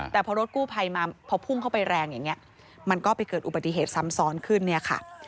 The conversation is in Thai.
แต่พอรถกู้ภัยมาพอพุ่งเข้าไปแรงอย่างนี้มันก็ไปเกิดอุบัติเหตุซ้ำซ้อนขึ้นเนี่ยค่ะ